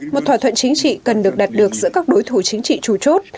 một thỏa thuận chính trị cần được đạt được giữa các đối thủ chính trị chủ chốt